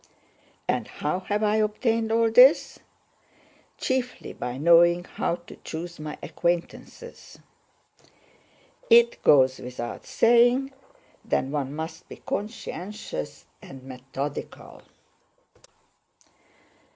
"And how have I obtained all this? Chiefly by knowing how to choose my aquaintances. It goes without saying that one must be conscientious and methodical."